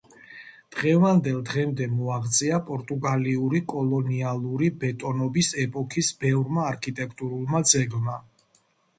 დღევანდელ დღემდე მოაღწია პორტუგალიური კოლონიალური ბატონობის ეპოქის ბევრმა არქიტექტურულმა ძეგლმა.